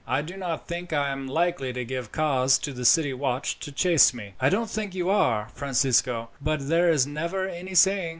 "I do not think I am likely to give cause to the city watch to chase me." "I don't think you are, Francisco, but there is never any saying."